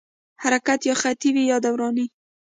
حرکت یا خطي وي یا دوراني.